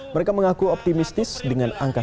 mereka mengaku optimistis dengan angka